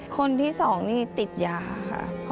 คนที่๒นี่ติดยาค่ะ